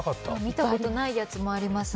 見たことないやつもありますね。